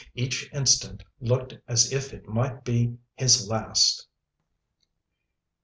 Each instant looked as if it might be his last. CHAPTER IV.